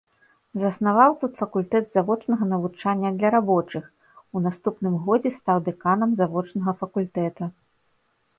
Заснаваў тут факультэт завочнага навучання для рабочых, у наступным года стаў дэканам завочнага факультэта.